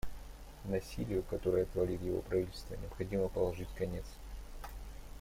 Насилию, которое творит его правительство, необходимо положить конец.